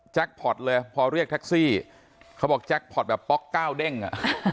พอร์ตเลยพอเรียกแท็กซี่เขาบอกแจ็คพอร์ตแบบป๊อกก้าวเด้งอ่ะ